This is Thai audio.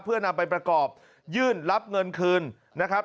เพื่อนำไปประกอบยื่นรับเงินคืนนะครับ